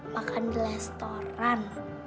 makan di restoran